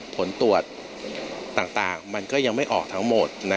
ผลตรวจต่างมันก็ยังไม่ออกทั้งหมด